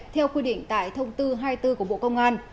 theo quy định tại thông tư hai mươi bốn của bộ công an